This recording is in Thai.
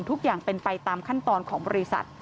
ทุกอย่างเป็นไปตามขั้นตอนของบริษัท